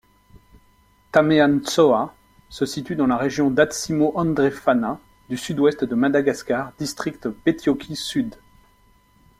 Tameantsoa se situe dans la région d'Atsimo Andrefana du sud-ouest de Madagascar, district Betioky-Sud.